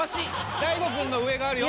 大悟くんの上があるよ。